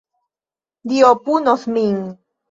Dio punos min!